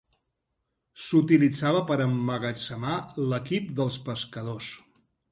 S'utilitzava per emmagatzemar l'equip dels pescadors.